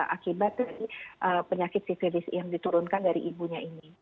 akibat dari penyakit sivilis yang diturunkan dari ibunya ini